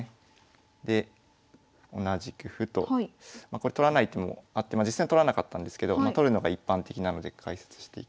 これ取らないともう実際取らなかったんですけど取るのが一般的なので解説していきます。